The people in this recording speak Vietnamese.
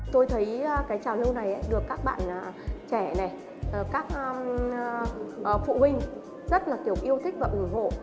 tôi thấy trào lưu này được các bạn trẻ các phụ huynh rất yêu thích và ủng hộ